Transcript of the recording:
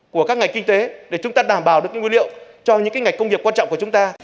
của các ngành kinh tế để chúng ta đảm bảo được nguyên liệu cho những ngành công nghiệp quan trọng của chúng ta